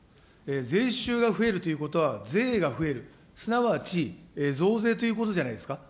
税収が増えるということは、税が増える、すなわち増税ということじゃないですか。